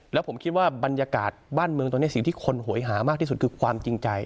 แล้วผมคิดว่าบรรยากาศบ้านเมืองตอนนี้สิ่งที่คนหวยหามากที่สุดคือความจริงใจ